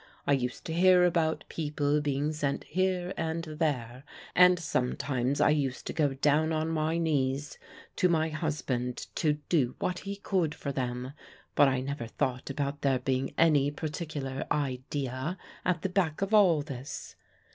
I used to hear about people being sent here and there, and sometimes I used to go down on my knees to my husband to do what he could for them, but I never thought about there being any particular idea at the back of all this."